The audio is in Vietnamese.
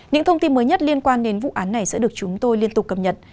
những thông tin mới nhất liên quan đến vụ án này sẽ được chúng tôi liên tục cập nhật